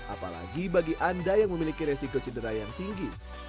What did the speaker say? apalagi bagi anda yang memiliki resiko cedera yang tinggi